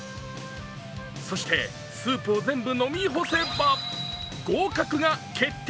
そしてスープを全部飲み干せば合格が決定。